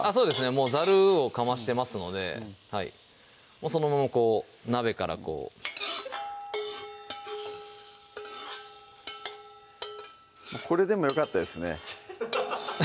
もうザルをかましてますのでそのままこう鍋からこうこれでもよかったですね